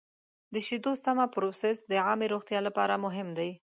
د شیدو سمه پروسس د عامې روغتیا لپاره مهم دی.